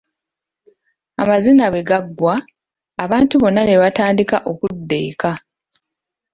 Amazina bwe gaggwa, abantu bonna ne batandika okudda eka.